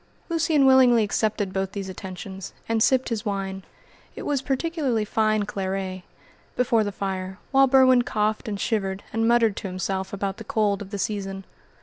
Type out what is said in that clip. Lucian willingly accepted both these attentions, and sipped his wine it was particularly fine claret before the fire, while Berwin coughed and shivered, and muttered to himself about the cold of the season.